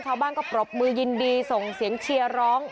ชาวบ้านก็ปรบมือยินดีส่งเสียงเชียร์ร้อง